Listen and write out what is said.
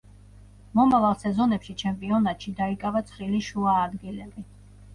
მომავალ სეზონებში ჩემპიონატში დაიკავა ცხრილის შუა ადგილები.